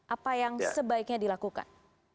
apa yang sebaiknya dilakukan